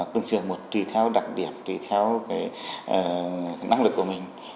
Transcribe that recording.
từng trường một tùy theo đặc điểm tùy theo năng lực của mình